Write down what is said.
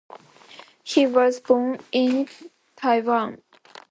He was born in Tehran.